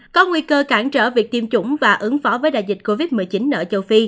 có nguy cơ cản trở việc tiêm chủng và ứng phó với đại dịch covid một mươi chín ở châu phi